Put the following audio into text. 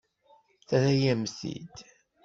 Terra-yam-t-id.